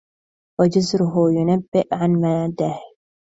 وجزرُهُ يُنبئ عَن مَدِّه